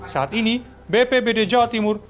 saat ini bpbd jawa timur